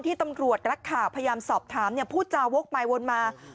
ที่ตำรวจรักข่าวพยายามสอบถามพูดจาวกไปวนมา